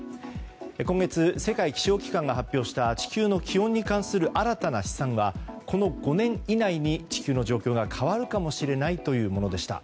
今月、世界気象機関が発表した地球の気温に関する新たな試算はこの５年以内に地球の状況が変わるかもしれないというものでした。